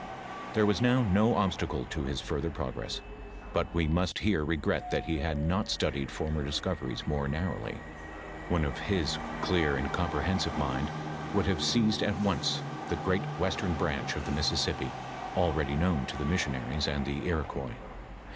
Tliere was now no obstacle to his further progress, but we ranet here regret that he had not studied former discoveries more narrowly. One of his clear and comprehensive mind *$ zzxyi BUTOBT or THB DUCOTBBT wonid have teiased at once the great western branch of th« MiMiesippi, already known to tbe missionaries and tlie Iro* qnois.